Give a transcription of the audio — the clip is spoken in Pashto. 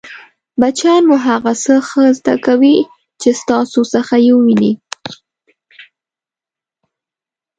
بچیان مو هغه څه ښه زده کوي چې ستاسو څخه يې ویني!